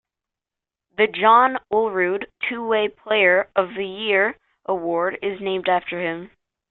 The John Olerud Two-Way Player of the Year Award is named after him.